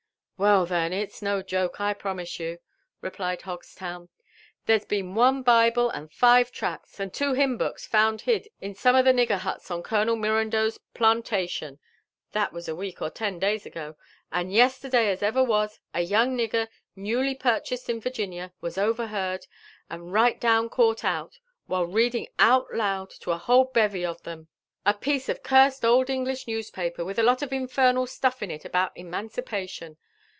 Well, then, it's no joke, I promise you," replied Hogstown. "There's been one Bible and five(racls, and two hymn books found hid in some of the nigger huts on Colonel Mirandeau's plantation.^ — That was a week or ten days ago ; and yesterday as ever was, a young nigger, newly purchased in Virginia, was overheard, and right down caught out, while reading out loud to a whole bevy of them a piece of a cursed old English newspaper, with a lot of infernal stuff in it about emancipation.